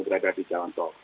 berada di jawa nontol